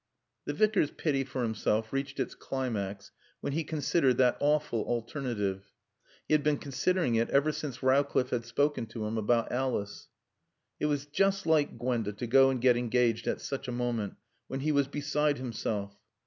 The Vicar's pity for himself reached its climax when he considered that awful alternative. He had been considering it ever since Rowcliffe had spoken to him about Alice. It was just like Gwenda to go and get engaged at such a moment, when he was beside himself.